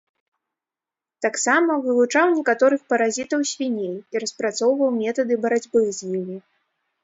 Таксама вывучаў некаторых паразітаў свіней і распрацоўваў метады барацьбы з імі.